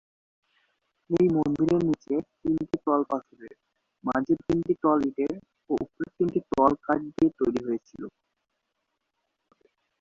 এই মন্দিরের নিচের তিনটি তল পাথরের, মাঝের তিনটি তল ইটের ও ওপরের তিনটি তল কাঠ দিয়ে তৈরী হয়েছিল।